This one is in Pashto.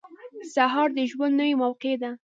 • سهار د ژوند نوې موقع ده.